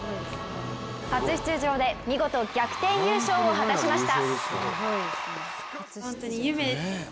初出場で見事逆転優勝を果たしました。